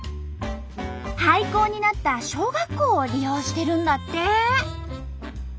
廃校になった小学校を利用してるんだって。